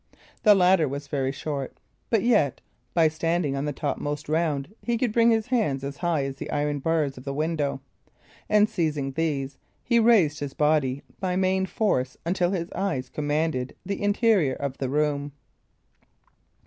The ladder was very short, but yet, by standing on the topmost round, he could bring his hands as high as the iron bars of the window; and seizing these, he raised his body by main force until his eyes commanded the interior of the room.